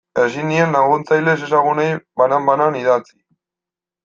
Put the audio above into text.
Ezin nien laguntzaile ezezagunei banan-banan idatzi.